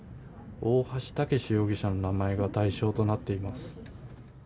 大橋剛容疑者の名前が対象となっています。